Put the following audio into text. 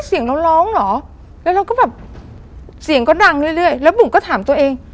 เสียงเราร้องเหรอแล้วเราก็แบบเสียงก็ดังเรื่อยแล้วบุ๋มก็ถามตัวเอง